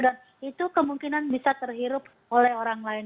dan itu kemungkinan bisa terhirup oleh orang lain